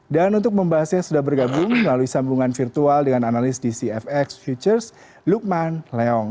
dan untuk membahasnya sudah bergabung melalui sambungan virtual dengan analis dcfx futures lukman leong